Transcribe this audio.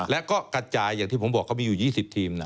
และก็กระจายอย่างที่ผมบอกเขามีอยู่๒๐ทีมนะ